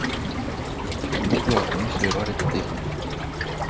Grupul a comis o eroare tehnică.